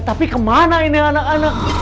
tapi kemana ini anak anak